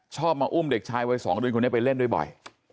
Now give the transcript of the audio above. ชอบมาอุ้มเด็กชายวัยสองด้วยคุณเนี่ยไปเล่นด้วยบ่อย